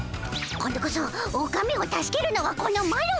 今度こそオカメを助けるのはこのマロ！